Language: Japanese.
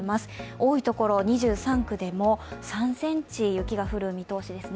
多いところ２３区でも３ｃｍ雪が降る見通しですね。